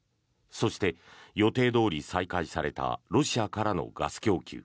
そして、予定どおり再開されたロシアからのガス供給。